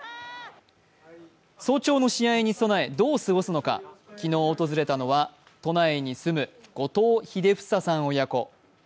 早朝の試合に備えどう過ごすのか昨日訪れたのは都内に住む後藤英房さん親子。